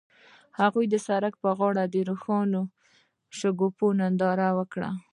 هغوی د سړک پر غاړه د روښانه شګوفه ننداره وکړه.